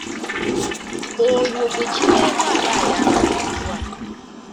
Olwo gwe kiweebwa aba ayambaziddwa.